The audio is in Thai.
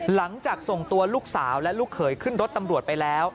หลังจากส่งตัวลูกสาวและลูกเขยขึ้นรถตำรวจไปแล้ว